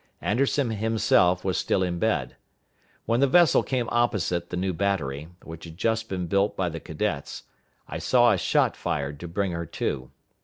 Anderson himself was still in bed. When the vessel came opposite the new battery, which had just been built by the cadets, I saw a shot fired to bring her to.